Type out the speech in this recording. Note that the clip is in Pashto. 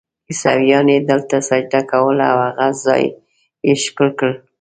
عیسویانو دلته سجده کوله او هغه ځای یې ښکل کړ.